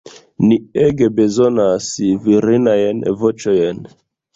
Ni ege bezonas virinajn voĉojn.